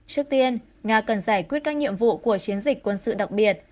trước tiên nga cần giải quyết các nhiệm vụ của chiến dịch quân sự đặc biệt